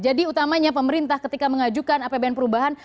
jadi utamanya pemerintah ketika mengajukan apbn perubahan